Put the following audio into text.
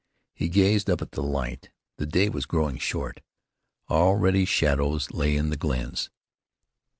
He gazed up at the light. The day was growing short. Already shadows lay in the glens.